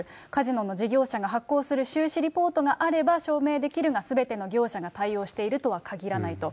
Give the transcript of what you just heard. カジノの事業者が発行する収支リポートがあれば証明できるが、すべての業者が対応してるとはかぎらないと。